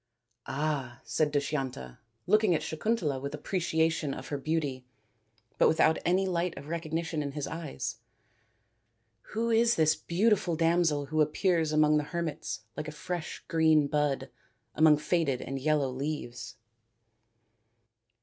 " Ah," said Dushyanta, looking at Sakuntala with appreciation of her beauty but without any light of recognition in his eyes. " Who is this beauti ful damsel who appears among the hermits like a fresh green bud among faded and yellow leaves